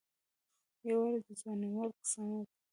يو وارې د ځوانيمرګ صمد